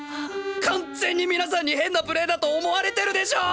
完全に皆さんに変なプレイだと思われてるでしょ！